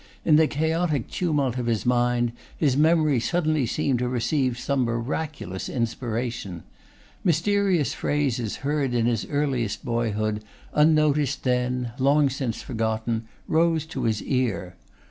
In the chaotic tumult of his mind, his memory suddenly seemed to receive some miraculous inspiration. Mysterious phrases heard in his earliest boyhood, unnoticed then, long since forgotten, rose to his ear.